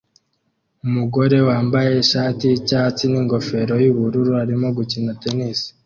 Umugore wambaye ishati yicyatsi ningofero yubururu arimo gukina tennis